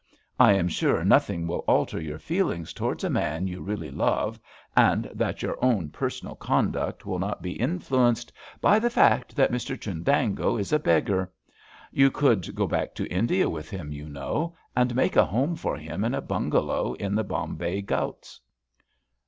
"I am sure nothing will alter your feelings towards a man you really love, and that your own personal conduct will not be influenced by the fact that Mr Chundango is a beggar. You could go back to India with him, you know, and make a home for him in a bungalow in the Bombay Ghauts."